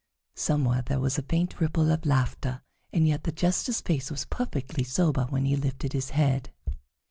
Somewhere there was a faint ripple of laughter, and yet the Jester's face was perfectly sober when he lifted his head.